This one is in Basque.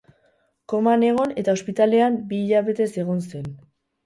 Koman egon eta ospitalean bi hilabetez egon zen.